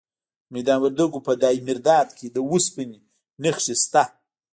د میدان وردګو په دایمیرداد کې د وسپنې نښې شته.